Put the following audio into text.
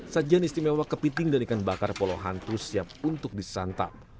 sajian istimewa kepiting dan ikan bakar pulau hantu siap untuk disantap